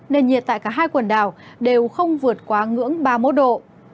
nền nhiệt tại cả hai quần đảo đều không vượt quá ngưỡng ba mươi một độ